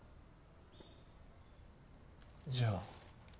じゃあ。